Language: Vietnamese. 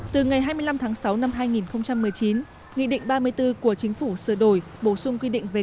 từ ngày hai mươi năm tháng sáu năm hai nghìn một mươi chín nghị định ba mươi bốn của chính phủ sửa đổi bổ sung quy định về